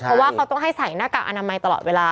เพราะว่าเขาต้องให้ใส่หน้ากากอนามัยตลอดเวลา